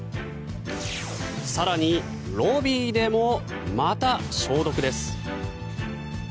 更にロビーでもまた消毒です。